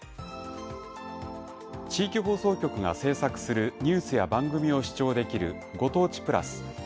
地域放送局が制作するニュースや番組を視聴できるご当地プラス。